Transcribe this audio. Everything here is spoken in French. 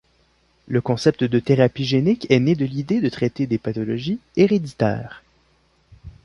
Le concept de thérapie génique est né de l'idée de traiter des pathologies héréditaires.